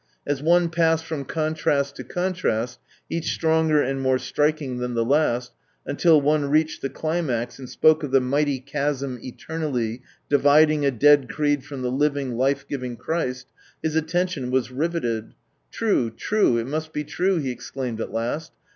As one passed from contrast to contrast, each stronger and more striking than ihe last, until one reached the climax and spoke of the mighty chasm eternally dividing a dead creed from the living, life giving Christ, his attention was rivetted. "True, true, it must be true," he exclaimed at last.